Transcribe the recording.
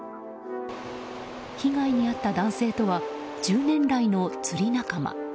被害に遭った男性とは１０年来の釣り仲間。